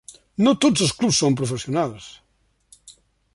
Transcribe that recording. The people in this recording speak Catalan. No tots els clubs són professionals.